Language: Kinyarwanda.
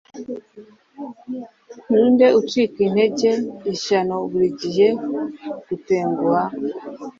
ninde ucika intege, ishyano! burigihe gutenguha